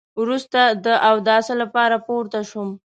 وروسته د اوداسه لپاره پورته شوم.